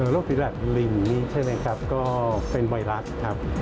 โรคฝีดาตรลิงนี่ใช่ไหมครับก็เป็นไวรัสครับ